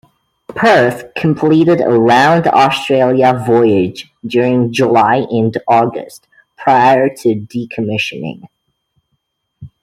"Perth" completed a round-Australia voyage during July and August prior to de-commissioning.